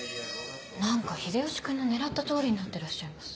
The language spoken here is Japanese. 何か秀吉君の狙った通りになってらっしゃいます。